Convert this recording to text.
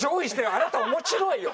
あなた面白いよ！